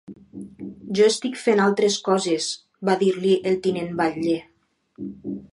Jo estic fent altres coses, va dir-li el tinent batlle.